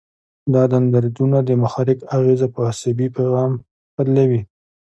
دا دندرایدونه د محرک اغیزه په عصبي پیغام بدلوي.